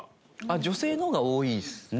女性の方が多いですね